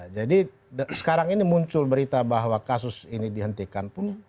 jadi sekarang ini muncul berita bahwa kasus ini dihentikan pun